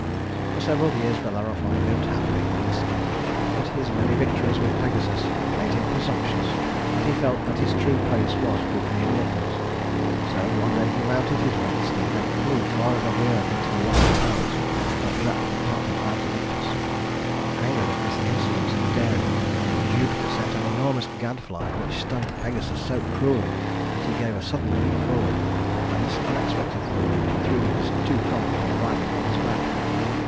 For several years Bellerophon lived happily in Lycia; but his many victories with Pegasus had made him presumptuous, and he felt that his true place was with the immortals. So one day he mounted his winged steed and flew far above the earth into the white clouds that wrap the top of Mount Olympus. Angered at this insolence and daring, Jupiter sent an enormous gadfly which stung Pegasus so cruelly that he gave a sudden leap forward, and this unexpected movement threw his too confident rider from his back.